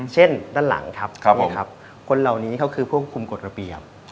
เช่นด้านหลังครับคนเหล่านี้เขาคือควบคุมกฎระเบียบ